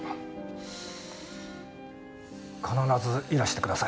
必ずいらしてください。